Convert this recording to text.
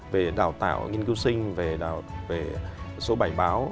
về đào tạo nghiên cứu sinh về số bài báo